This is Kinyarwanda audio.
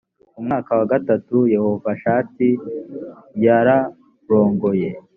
umwaka wa gatatu yehoshafati yrarongoye